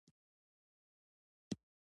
دی پر مونږ باندې دغهسې مهربانه